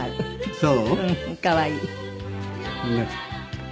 そう？